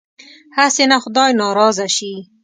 هسې نه خدای ناراضه شي.